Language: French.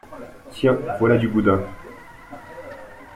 Tiens voilà du boudin.